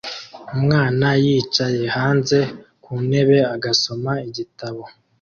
umwana yicaye hanze ku ntebe agasoma igitabo